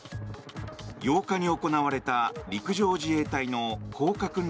８日に行われた陸上自衛隊の降下訓練